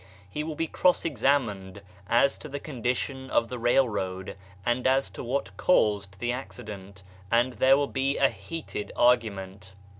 He will be cross examined as to the condition of the railroad and as to what caused the accident, and there will be a heated argument.